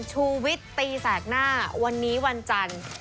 ชูวิทย์ตีแสกหน้าวันนี้วันจันทร์